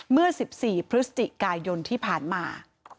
เมื่อ๑๔พฤศจิกายนที่ผ่านมา